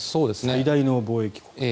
最大の貿易国。